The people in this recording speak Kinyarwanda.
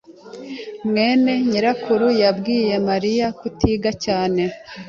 mwene nyirakuru yabwiye Mariya kutiga cyane.